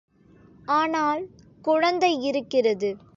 ஆனால், குழந்தை இருக்கிறது.